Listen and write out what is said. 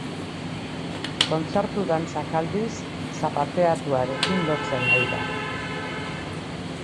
Kontzertu-dantzak aldiz, zapateatuarekin lotzen ohi da.